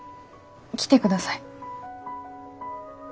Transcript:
来てください。